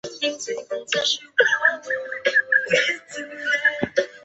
生于云南昆明。